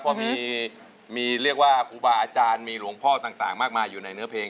เพราะมีเรียกว่าครูบาอาจารย์มีหลวงพ่อต่างมากมายอยู่ในเนื้อเพลง